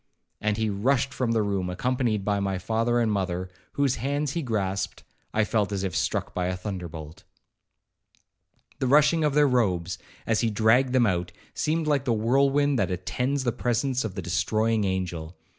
And as he rushed from the room, accompanied by my father and mother, whose hands he grasped, I felt as if struck by a thunderbolt. The rushing of their robes, as he dragged them out, seemed like the whirlwind that attends the presence of the destroying angel.